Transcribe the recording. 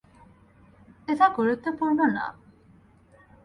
এটা গুরুত্বপূর্ণ না।